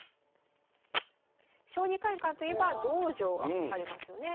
将棋会館といえば道場がありますよね。